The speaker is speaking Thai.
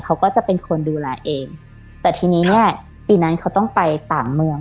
เขาก็จะเป็นคนดูแลเองแต่ทีนี้เนี้ยปีนั้นเขาต้องไปต่างเมือง